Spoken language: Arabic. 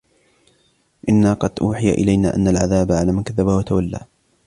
إِنَّا قَدْ أُوحِيَ إِلَيْنَا أَنَّ الْعَذَابَ عَلَى مَنْ كَذَّبَ وَتَوَلَّى